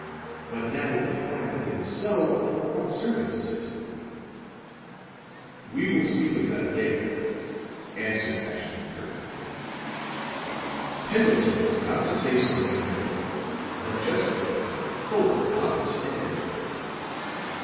"But now that you find that it is so, of what service is it?" "We will speak of that later," answered Ashton Kirk. Pendleton was about to say something more, but just then Fuller knocked and entered.